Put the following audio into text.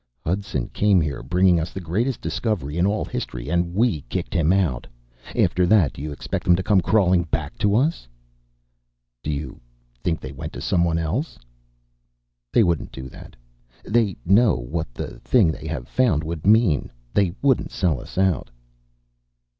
"Hudson came here, bringing us the greatest discovery in all history, and we kicked him out. After that, do you expect them to come crawling back to us?" "You think they went to someone else?" "They wouldn't do that. They know what the thing they have found would mean. They wouldn't sell us out."